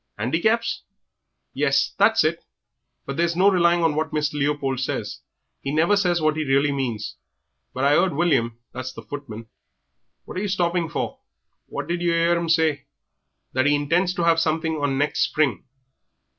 "Handicaps?" "Yes, that's it. But there's no relying on what Mr. Leopold says he never says what he really means. But I 'eard William, that's the footman " "What are you stopping for? What did yer 'ear 'im say?" "That he intends to have something on next spring."